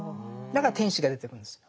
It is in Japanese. だから天使が出てくるんです。